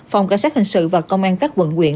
phòng cảnh sát hình sự và công an các quận quyện